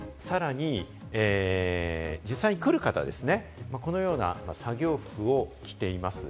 さらに実際に来る方ですね、このような作業服を着ています。